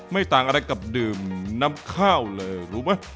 ไม่ต่างอะไรกับดื่มน้ำข้าวเลยรู้ไหม